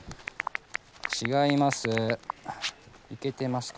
違います。